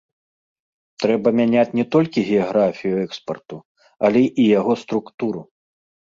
Трэба мяняць не толькі геаграфію экспарту, але і яго структуру.